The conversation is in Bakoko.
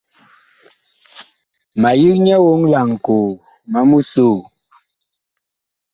Ma yig nyɛ woŋ laŋkoo, ma mu soo.